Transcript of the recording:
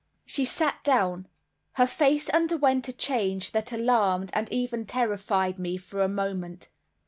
She sat down. Her face underwent a change that alarmed and even terrified me for a moment.